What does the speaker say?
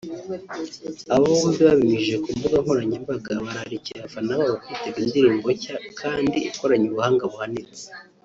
Aba bombi babinyujije ku mbuga nkoranyambaga bararikiye abafana babo kwitega indirimbo nshya kandi ikoranye ubuhanga buhanitse